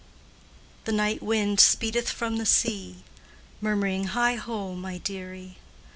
The night wind speedeth from the sea, Murmuring, "Heigho, my dearie!